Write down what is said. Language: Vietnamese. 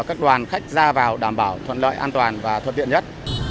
các đoàn khách ra vào đảm bảo thuận lợi an toàn và thuận tiện nhất